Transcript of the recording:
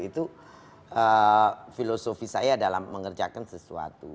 itu filosofi saya dalam mengerjakan sesuatu